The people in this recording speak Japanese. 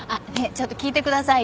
ちょっと聞いてくださいよ。